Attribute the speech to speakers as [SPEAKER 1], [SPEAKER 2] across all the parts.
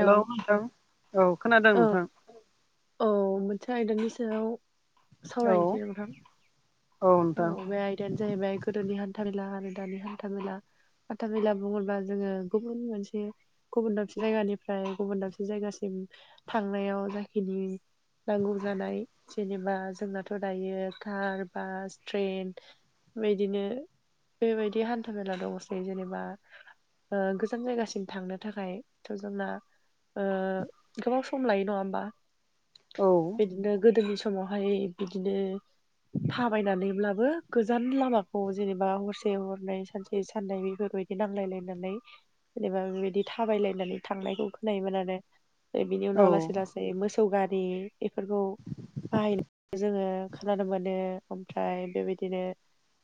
[SPEAKER 1] Hello नोंथां औ खोनादों
[SPEAKER 2] औ
[SPEAKER 1] नोंथां।
[SPEAKER 2] औ मोनसे आयदानि सायाव
[SPEAKER 1] औ
[SPEAKER 2] सावरायनोसै नोंथां। औ बे आयदायानो जाहैबाय गोदोनि हान्था मेला आरो दानि हान्था मेला हान्था मेला बुङोबा जोङो गुबुन मोनसे गुबुन दाबसे जायगानिफ्राय गुबुन दाबसे जायगासिम थांनायाव जाखिनि नांगौ जानाय जेनेबा जोंनाथ' दायो कार, बास, ट्रेन बेबायदिनो बेबायदि हान्था मेला दङसै जेनेबा ओ गोजान जायगासिम थांनो थाखाय थ' जोंना ओ गोबां सम लायो नङा होमबा?
[SPEAKER 1] औ।
[SPEAKER 2] बिदिनो गोदोनि समावहाय बिदिनो थाबायनानै अब्लाबो गोजान लामाखौ जेनेबा हरसे हरनै सानसे साननै बेफोरबायदि नांलायलायनानै जेनेबा बेबायदि थाबायलायनानै थांनायखौ खोनायोमोन आरो। बिनि
[SPEAKER 1] औ
[SPEAKER 2] उनाव लासै लासै फ्राय मोसौ गारि बेफोरखौ बाहायनायखौ जोङो खोनानो मोनो ओम फ्राय बेबायदिनो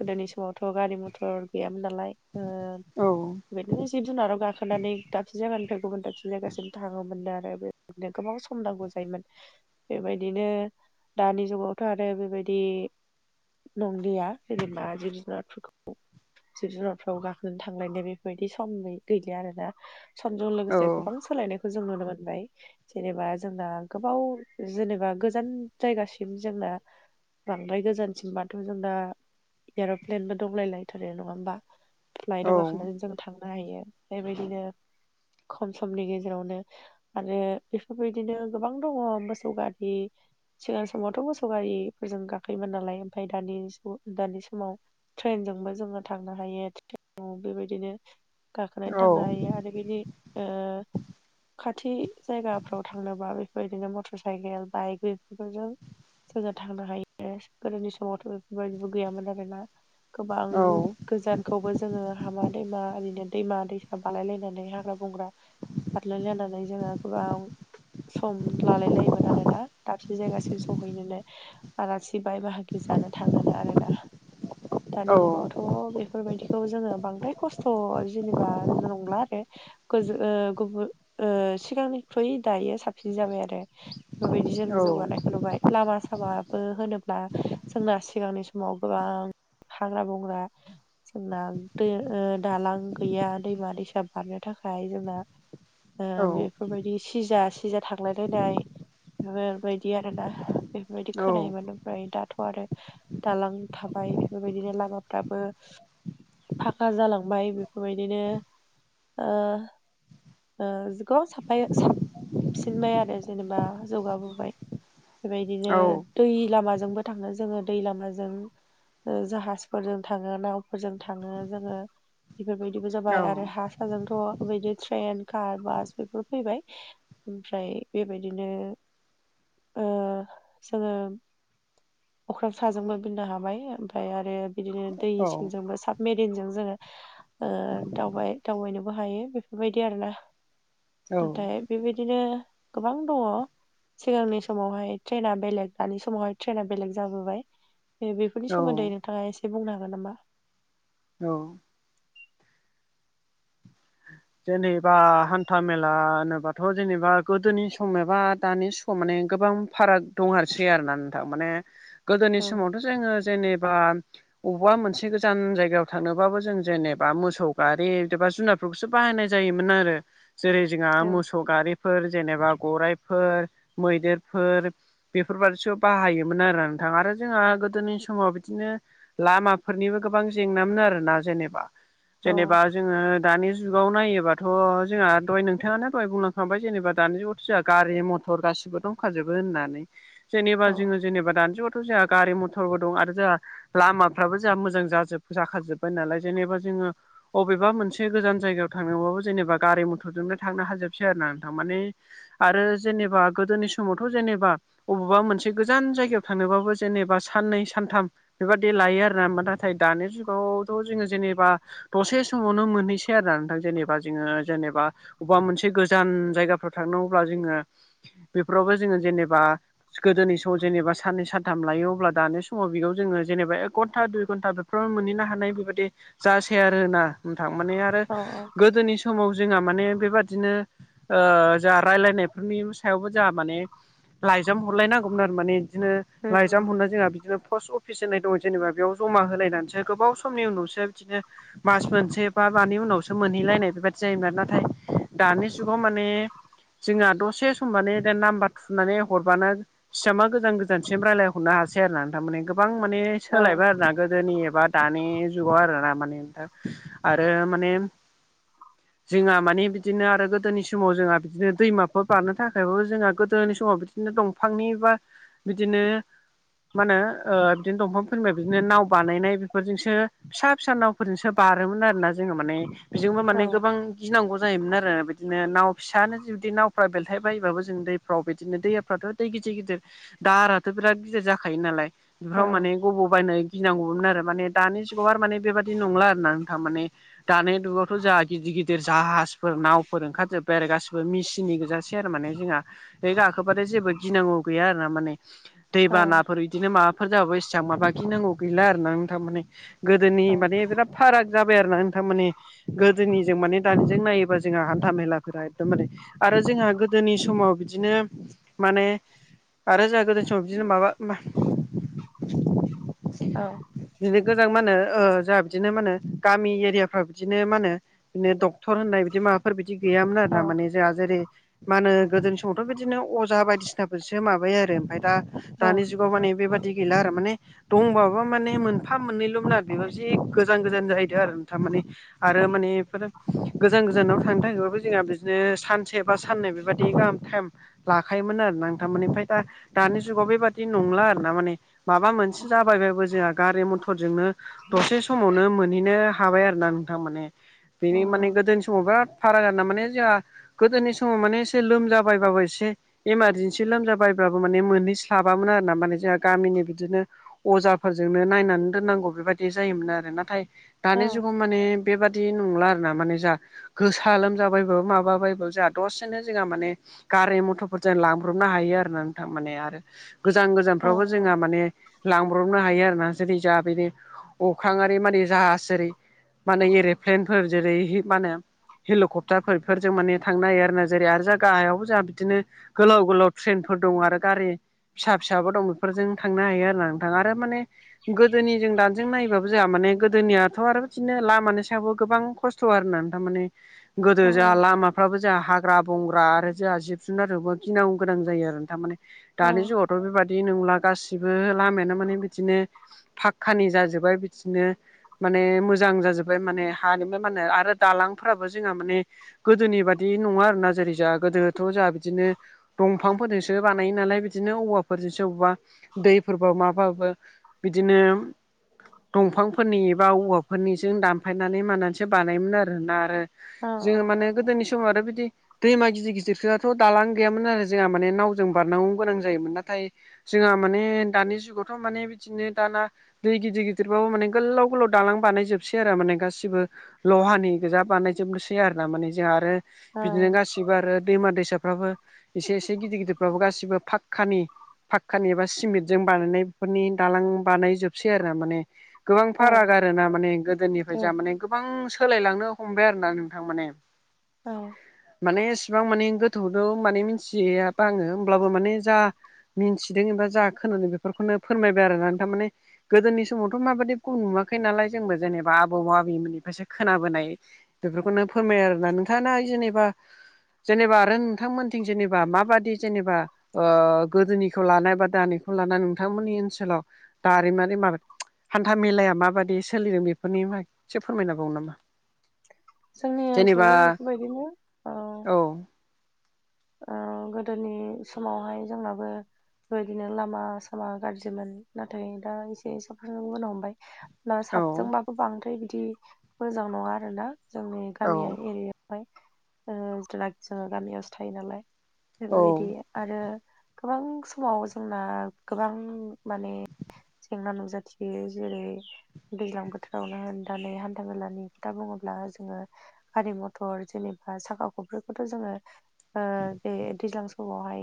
[SPEAKER 2] गोदोनि समावथ' गारि मथर गैयामोन नालाय ओ
[SPEAKER 1] औ
[SPEAKER 2] बेबायदिनो जिब जुनाराव गाखोनानै दाबसे जायगानिफ्राय गुबुन दाबसे जायगासिम थाङोमोननो आरो बे बिदिनो गोबां सम नांगौ जायोमोन। बेबायदिनो दानि जुगावथ' आरो बेबायदि नंलिया जेनेबा जिब जुनारफोरखौ जिब जुनारफोराव गाखोना थांलायनाय बेफोरबायदि सम गैलिया आरोना। समजों
[SPEAKER 1] औ
[SPEAKER 2] लोगोसे गोबां सोलायनायखौ जों नुनो मोनबाय। जेनेबा जोंना गोबाव जेनेबा गोजान जायगासिम जोंना बांद्राय गोजानसिमबाथ' जोंना एर'प्लेनबो दंलाय लायथारो नङा होमबा?
[SPEAKER 1] औ
[SPEAKER 2] फ्लाइदआव गाखोनानै जों थांनो हायो बेबायदिनो खम समनि गेजेरावनो आरो बेफोरबायदिनो गोबां दङ मोसौ गारि सिगां समावथ' मोसौ गारि फोरजों गाखोयोमोन नालाय ओमफ्राय दानि दानि समाव ट्रेनजोंबो जोङो थांनो हायो [unintelligible] बेबायदिनो गाखोनानै
[SPEAKER 1] औ
[SPEAKER 2] थाखाय आरो बिनि खाथि जायगाफ्राव थांनोबा बेफोरबायदिनो मटर साइकेल बाइक बेफोरफोरजों जोङो थांनो हायो गोदोनि समावथ' बेफोरबायदिबो गैयामोन आरोना गोबां
[SPEAKER 1] औ
[SPEAKER 2] गोजानखौबो जोङो हामा दैमा ओरैनो दैमा दैसा बालायलायनानै हाग्रा बंग्रा बारलायलायनानै जोङो गोबां सम लालाय लायोमोन आरोना दाबसे जायगासिम सहैनोनो आलासि बाय बाहागि जानो थाङोनो आरोना दानि
[SPEAKER 1] औ
[SPEAKER 2] जुगावथ' बे बेफोरबायदिखौ जोङो बांद्राय खस्थ' जेनेबा नंला आरो। गोजो ओ गुबुन ओ सिगांनिख्रुयइ दायो साबसिन जाबाय आरो। बेफोरबायदि जोङो जौगानायखौ नुबाय लामा सामाबो होनोब्ला जोंना सिगांनि समाव गोबां हाग्रा बंग्रा जोंना दो ओ दालां गैया दैमा दैसा बारनो थाखाय जोंना ओ बेफोरबायदि सिजा सिजा थांलायलायनाय बेफोरबायदि आरोना बेफोरबायदि खोनायोमोन ओमफ्राय दा थ' आरो दालां थाबाय बेफोरबायदिनो लामाफ्राबो फाखा जालांबाय बेफोरबायदिनो ओ ओ जिखौव साफाय साबसिनबाय आरो जेनेबा जौगाबोबाय बेबायदिनो दै लामाजोंबो थाङो जोङो दै लामाजों जाहाजफोरजों थाङो नावफोरजों थाङो जोङो बेफोरबायदिबो जाबाय आरो हा साजोंथ' बेदि ट्रेन कार बास बेफोर फैबाय ओमफ्राय बेबायदिनो ओ जोङो [inaudible] अख्राब साजोंबो बिरनो हाबाय ओमफफ्राय आरो बिदिनो दै सिंजोंबो साबमेरिनजों जोङो ओ दावबाय दावबायनोबो हायो बेफोरबायदि आरोना नाथाय बेबायदिनो गोबां दङ सिगांनि समावहाय ट्रेना बेलेग दानि समावहाय ट्रेना बेलेग जाबोबाय बेफोरनि
[SPEAKER 1] औ
[SPEAKER 2] सोमोन्दै नोंथाङा एसे बुंनो हागोन नामा?
[SPEAKER 1] औ जेनेबा हान्था मेला होनोबाथ' जेनेबा गोदोनि सम एबा दानि समाव माने गोबां फाराग दं आरोसै आरोना नोंथां माने गोदोनि
[SPEAKER 2] औ
[SPEAKER 1] समावथ' जोङो जेनेबा बबेबा मोनसे गोजान जायगायाव थांनोबाबो जों जेनेबा मोसौ गारि एबा जुनारफोरखौ सो बहायनाय जायोमोन आरो जेरै जोंना
[SPEAKER 2] औ
[SPEAKER 1] मोसौ गारिफोर जेनेबा गराइफोर मैदेरफोर बेफोरबादिसो बाहायोमोन आरोा नोंथां आरो जोंहा गोदोनि समाव बिदिनो लामाफोरनिबो गोबां जेंना मोन आरोना जेनेबा जेनेबा जोङो दानि जुगाव नायोबाथ' जोंहा दहाय नोंथाङानो दहाय बुंलांखांबाय जेनेबा दानि जुगावथ' जोंहा गारि मथर गासिबो दं खाजोबो होननानै जेनेबा
[SPEAKER 2] औ
[SPEAKER 1] जोङो जेनेबा दानिजुगावथ' जोंहा गारि मथरबो दं आरो जोंहा लामाफ्राबो जोंहा मोजां जाजोब जाखाजोब्बाय नालाय जेनेबा जोङो अबेबा मोनसे गोजान जायगायाव थांनोबाबो जेनेबा गारि मथरजोंनो थांनो हाजोबसै आरो ना नोंथां माने आरो जेनेबा गोदोनि समावथ' जेनेबा अबावबा मोनसे गोजान जायगायाव थांनोबाबो जेनेबा साननै सानथाम बेबादि लायो आरो ना नाथाय दानि जुगावथ' जोङो जेनेबा दसे समावनो मोनहैसै सैआरोना नोंथां जेनेबा जोङो जेनेबा अबेबा मोनसे गोजान जायगाफ्राव थांनांगौब्ला जोङो बेफोरावबो जोङो जेनेबा गोदोनि समाव जेनेबा साननै सानथाम लायो अब्ला दानि समाव बेयाव जोङो जेनेबा एक घन्टा दुइ घन्टा बे मोनहैनो हानाय बेबायदि जासै आरो होना नोंथां माने आरो
[SPEAKER 2] औ
[SPEAKER 1] गोदोनि स समाव जोंहा माने बेबादिनो ओ जाहा रायलायनायफोरनि सायावबो जोंहा माने लाइजाम हरलायनांगौमोन आरो माने बिदिनो
[SPEAKER 2] उम
[SPEAKER 1] लाइजाम
[SPEAKER 2] उम
[SPEAKER 1] हरना जोंहा बिदिनो पस अफि फिस होननाय दं जेनेबा बेयाव जमा होलायनानैसो गोबाव समनि उनावसो बिदिनो मास मोनसे बा मानि उनावसो मोनहैलायनाय बेबायादि जायोमोन नाथाय दानि जुगाव माने जोंहा दसे समबानो द नाम्बार थुनानै हरबानो फिसामा गोजान गोजानसिम रायजलायहरनो हासै आरो ना थारमाने गोबां माने
[SPEAKER 2] औ
[SPEAKER 1] सोलायबाय आरोना गोदोनि एबा दानि जुगाव आरोना माने दा आरो माने जोंहा माने बिदिनो आरो गोदोनि समाव जोंहा बिदिनो दैमाफोर बारनो थाखायबाबो जोंहा गोदोनि समाव बिदि बिदिनो दंफांनि बा बिदिनो मा होनो बिदिनो दंफां फोरनिाया बिदिनो नाव बानायनाय बेफोरजोंसो फिसा फिसा नावफोरजोंसो बारोमोन आरो ना जोङो माने बेजोंबो
[SPEAKER 2] औ
[SPEAKER 1] माने गोबां गिनांगौ जायोमोन आरो बिदिनो नाव फिसायानो जुदि नावफ्रा बेलथाय बायोबाबो जों दैफ्राव बिदिनो दैयाफ्राथ' गिदिर गिदिर दाहाराथ' बिराद गिदिर जाखायो नालाय बेफोराव माने गबाव बबायनो गिनांगौमोन आरो माने दानि जुगाव आरो माने बेबादि नंला आरोना नोंथां माने दानाय दुबआथ' जाय गिदिर गिदिर जाहाजफोर नावफोर ओंखार जोब्बाय आरो गासिबो मेसिननि गोजासेै आरो माने जोंहा बे गाखोबाथाय जेबो गिनांगौ गैया आर ना माने
[SPEAKER 2] औ
[SPEAKER 1] दैबानाफोर बिदिनो माबाफोर जाबाबो इसेबां माबााखिनांगौ गैला आरो ना नोंथां माने गोदोनि
[SPEAKER 2] औ
[SPEAKER 1] माने बिराद फाराग जाबाय आरो ना नोंथां माने जोंनिजों माने दानिजों नायोबा जोंहा हान्था मेला एकदमबारे आरो जोंहा गोदोनि समाव बिदिनो माने आरो जोंहा गोदोनि समाव बिदिनो माबा
[SPEAKER 2] औ
[SPEAKER 1] बिदिनो गोजां म होनो जोंहा बिदिनो मा होनो गामि एरियाफ्राव बिदि बिदिनो मा होनो बिदिनो डक्टर होननाय बिदि माबाफोर बिदि गैयामोन आरो
[SPEAKER 2] औ
[SPEAKER 1] ना माने जोंहा जेरै मा होनो गोदो समावथ' बिदिनो अजा बायदिसिनाफोरसो माबायो आरो ओमफ्राय दा दानि जुगाव माने बेबादि गैला आरो माने दंबाबो माने मोनफा मोननैल' न बेबो जि गोजान गोजान जाहैदों आरो ना थारमाने आरो माने बेफोर गोजान गोजानाव थांनो थाखायोबाबो जोंहा बिदिनो सानसे बा साननै बेबायदि गाहाम टाइम लाखायोमोन आरो ना थारमानिओमफ्राय दा दानि जुगाव बेबादि नंला आरो ना माने माबा मोनसे जाबायबबो जोंहा गारि मथरजोंनो दसे समावनो मोनहैनो हाबाय आरोोना नोंथां माने बेनि माने गोदोनि समाव बिराद फाराग जाना माने जोंहा गोदोनि समाव माने एसे लोमजाबायबाबो एसे इमारजेन्सि लोमजाबायब्लाबो माने मोनहैस्लाबामोन आर ना माने जोंहा गामिनि बिदिनो अजाफोरजोंनो नायनानै दोननांगौ बेबायदि जायोमोन आरो नाथाय
[SPEAKER 2] औ
[SPEAKER 1] दानि जुगाव माने बेबादि नंला आरो ना माने जा गोसा लोमजाबायबो माबाबायबो जोंहा दसेनो जोंहा माने गारि मथरफोरजों लांब्रबनो हायो आरो ना नोंथां माने आरो गोजान गोजानफ्रावबो जोंहा माने लांब्रबनो हायो आरोना जेरै जा बेनि अख्रांआरि मानि जाहाज जेरै मा होनो एर'प्लेनफोर जेरै मा‌ होनो हेलिकप्टारफोरफोरजों माने थांनो हायो आरोना जेरै आरो जों गाहायावबो जोंहा बिदिनो गोलाव गोलाव ट्रेनफोर दं आरो गारि। फिसा फिसाबो दं बेफोरजों थांनो हायो आरो ना नोंथां आरो माने गोदोनि जों दानिजों नायबाबो जाया माने गोदोनियाथ' आरो बिदिनो लाब माने सायावबो गोबां खस्थ' आरो ना थारमाने गोदो
[SPEAKER 2] औ
[SPEAKER 1] जाहा लामा फ्राबो जों हाग्रा बंग्रा आरो जोंहा जिब जुनारबो गिनांगौ गोनां जायो आरो थारमाने दानि जुगावथ' थ' बेबायादि नंला गासिबो लामायानो माने बिदिनो फाखकानि जाजोब्बाय बिदिनो माने मोजां जाजोबबाय। फ्राय माने हानिम मा होनो आरो दालांफोराबो जोंहा माने गोदोनि बायदि नङा आरोना जेरै जा गोदो थ' जोंहा बिदिनो दंफांफोरजोंसो बानायो नालाय बिदिनो औवाफोरजोंसो औवा दैफोरबो माबाबो बिदिनो दंफांफोरनि एबा औवाफोरनिजों दानफायनानै मानानैसो बानायोमोन आरो ना आरो।
[SPEAKER 2] औ
[SPEAKER 1] जोङो माने गोदोनि समाव आरो बिदि दैमा गिदिर गिदिराफोराथ' दालां गैयामोन आरो जोंहा माने नावजों बारनांगौ गोनां जायोमोन नाथाय जोंहा माने दानि जुगावथ' माने बिदिनो दाना दै गिदिर गिदिरबाबो माने गोलाव गोलाव दालां बानायजोबसै आरो माने गासिबो लहानि गोजा बानायजोबनोसै आरो ना माने जों आरो
[SPEAKER 2] औ
[SPEAKER 1] बिदिनो गासिबो गासिबो आरो दैमा दैसाफ्राबो एसे एसे गिदिर गिदिरफ्राबो गासिबो फाग पकानि पाक्कानि एबा सिमेन्ट जों बानायनाय बेफोरनि दालां बानाय जोबसै आरो ना माने गोबां
[SPEAKER 2] औ
[SPEAKER 1] फाराग आरो ना माने गोदोनिफ्राय
[SPEAKER 2] औ
[SPEAKER 1] जा माने गोबां सोलायलांनो हमबाय आरो ना नोंथां माने
[SPEAKER 2] औ।
[SPEAKER 1] माने एसेबां माने गोथौथ' माने मिथियाबा आङो होमब्लाबो माने जा मिन्थिदों एबा जा खोनो बेफोरखौनो फोरमायबाय आरोना थारमाने गोदोनि समावथ' माबाददिखौ नुवाखै नालाय जोंबो जेनेबा बा आबौ आबैमोननिफायसो खोनाबोनाय बेफोरखौनो फोरमायो आरोना नोंथाङा जेनेबा जेनेबा आरो नोंथांमोनथिं जेनेबा माबादि जेनेबा ओ गोदोनिखौ लानाय बा दानिखौ लानाय नोंथांमोननि ओनसोलाव दारिमिनारि मार्ख हान्था मेलाया माबायदि सोलिदों बेफोर बेफोरनि मा एसे फोरमायजाबावो नामा?
[SPEAKER 2] जोंनि
[SPEAKER 1] जेनेबा
[SPEAKER 2] ओनसोलावबो बेफोरबायदिनो औ ओ गोदोनि समावहाय जोंनाबो बेबायदिनो लामा सामा गाज्रिमोन नाथाय दा एसे साबस्रांबोनो हमबाय।
[SPEAKER 1] औ
[SPEAKER 2] साबजोंबाबो बांद्राय बिदि मोजां नङा आरोना जोंनि
[SPEAKER 1] औ
[SPEAKER 2] गामि एरियायाव। फ्राय ओ [unintelligible] जोङो गामियावसो थायो नालाय
[SPEAKER 1] औ
[SPEAKER 2] बेफोरबायदि आरो गोबां समाव जोंना गोबां माने जेंना नुजाथियो जेरै दैज्लां बोथोरावनो होननानै हान्था मेलानि खोथा बुङोब्ला जोङो गारि मथर जेनेबा साखा खब्रैखौथ' जोङो ओ बे दैज्लां समावहाय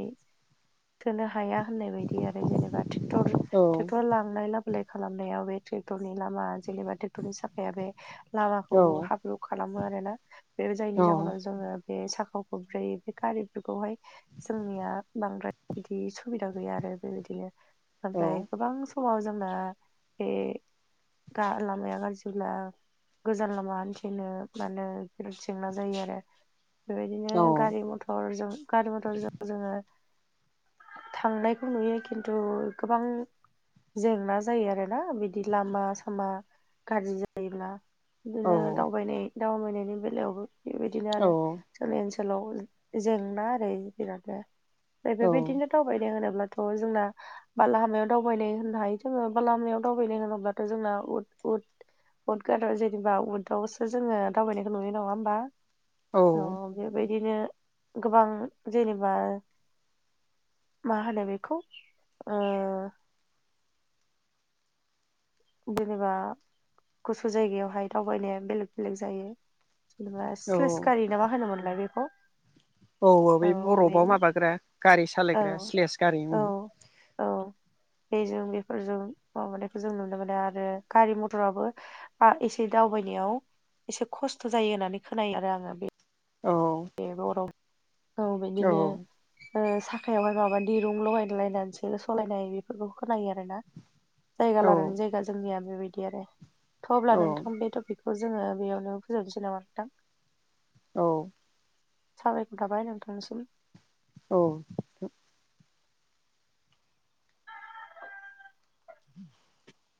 [SPEAKER 2] थोनो हाया होननाय बायदि आरो जेनेबा ट्रेक्टर टेक्टर
[SPEAKER 1] औ
[SPEAKER 2] लांनाय लाबो लाय खालामनायाव बे ट्रेक्टरनि लामा जेनेबा टेक्टरनि साखाया बे लामाखौ हाब्रु खालामो आरोना बे जायनि
[SPEAKER 1] औ
[SPEAKER 2] जाहोनाव जोङो बे साखा खब्रै गारिफोरखौहाय जोंनिया बांद्राय बिदि सुबिदा गैया आरो बेबायदिनो
[SPEAKER 1] औ
[SPEAKER 2] ओमफ्राय गोबां समाव जोंना बे गा लामाया गाज्रिब्ला गोजान लामा हान्थिनो मानो बिराद जेंना जायो आरो। बेबायदिनो
[SPEAKER 1] औ
[SPEAKER 2] गारि मथरजों गारि मथरजों जोङो थांनायखौ नुयो खिन्थु गोबां जेंना जायो आरोना बिदि लामा सामा गाज्रि जायोब्ला। बिदिनो
[SPEAKER 1] औ
[SPEAKER 2] दावबायनाय दावबायनायनि बेलायावबो बेबायदिनो आरो जोंनि ओनसोलाव जेंना आरो बेरादनो बेबायदिनो दावबायनो होनोब्लाथ' जोंना बाला लामायाव दावबायनाय होननो हायो जोङो बा लामायाव दावबायनाय होनोब्लाथ' जोंना उद-उद उद गाद' जेनेबा उदावसो जोङो दावबायनायखौ नुयो नङा होमबा? औ बेबायदिनो गोबां जेनेबा मा होनो बेखौ ओ जेनेबा गुसु जायगायावहाय दावबायनाया बेलेग बेलेग जायो। जेनेबा स्लेस
[SPEAKER 1] औ
[SPEAKER 2] गारि नामा होनोमोनलाय बेखौ।
[SPEAKER 1] औ औ बे बरफआव माबाग्रा गारि
[SPEAKER 2] औ
[SPEAKER 1] सालायग्रा स्लेस
[SPEAKER 2] औ
[SPEAKER 1] गारिमोन।
[SPEAKER 2] औ बेजों बेफोरजों माबानायखौ जों नुनो मोनो आरो गारि मथराबो आ एसे दावबायनायाव एसे खस्थ' जायो होननानै खोनायो आरो आङो बे
[SPEAKER 1] औ।
[SPEAKER 2] बे बर'फ औ बिदिनो ओ साखायावहाय माबा दिरुं लगाय लायनानैसो सलायनाय बेफोरखौ खोनायो आरो ना। जायगा
[SPEAKER 1] औ
[SPEAKER 2] लानानै जायगा जोंनिया बेबायदि आरो थ' अब्ला
[SPEAKER 1] औ
[SPEAKER 2] नोंथां बे टपिक खौ जोङो बेयावनो फोजोनोसै नामा नोंथां?
[SPEAKER 1] औ।
[SPEAKER 2] साबायखर थाबाय नोंथांनिसिम।
[SPEAKER 1] औ।
[SPEAKER 2] [inaudible]
[SPEAKER 1] [inaudible]